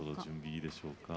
どうでしょうか？